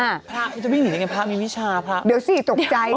มันจะวิ่งหนีแล้วไงพระพระมีวิชาพระ